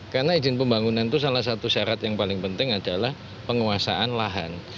karena izin pembangunan itu salah satu syarat yang paling penting adalah penguasaan lahan